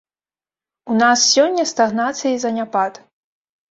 У нас сёння стагнацыя і заняпад.